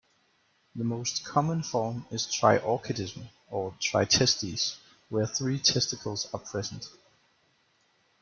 The most common form is triorchidism, or tritestes, where three testicles are present.